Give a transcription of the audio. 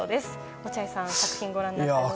落合さん、作品をご覧になっていかがですか？